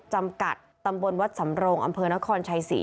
จำกัดตำบลวัดสำโรงอำเภอนครชัยศรี